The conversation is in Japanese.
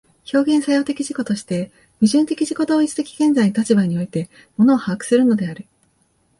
表現作用的自己として、矛盾的自己同一的現在の立場において物を把握するのである。